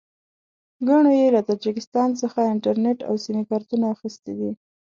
ګڼو یې له تاجکستان څخه انټرنېټ او سیم کارټونه اخیستي دي.